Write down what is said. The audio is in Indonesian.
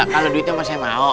kalau duitnya emang saya mau